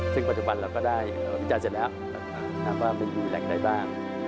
ซึ่งปัจจุบันเราก็ได้วิจารณ์เสร็จแล้วถามว่ามันอยู่แหล่งใดบ้าง